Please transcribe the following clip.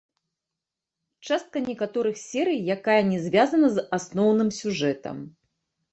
Частка некаторых серый, якая не звязана з асноўным сюжэтам.